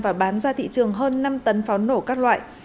và bán ra thị trường hơn năm tấn pháo nổ các loại